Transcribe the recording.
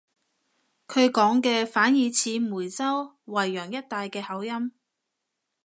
佢講嘅反而似梅州惠陽一帶嘅口音